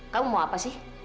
kamu mau apa sih